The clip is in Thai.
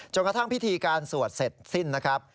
กระทั่งพิธีการสวดเสร็จสิ้นนะครับ